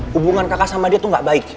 hubungan kakak sama dia tuh gak baik